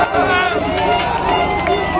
สวัสดีครับทุกคน